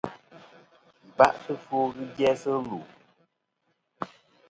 Yi ba'tɨ ɨfwo ghɨ jæsɨ lu.